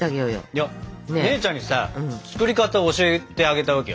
いや姉ちゃんにさ作り方教えてあげたわけよ。